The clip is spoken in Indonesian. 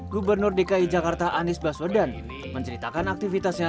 gubernur dki jakarta anies baswedan menceritakan aktivitasnya